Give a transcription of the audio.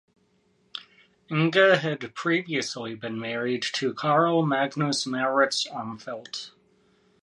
Inge had previously been married to Carl Magnus Mauritz Armfelt.